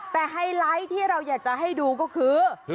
แต่ไฮไลท์ที่เราอยากจะให้ดูก็คือ